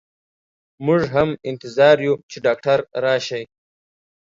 مو ږ هم انتظار يو چي ډاکټر راشئ.